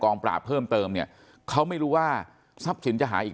ปราบเพิ่มเติมเนี่ยเขาไม่รู้ว่าทรัพย์สินจะหายอีก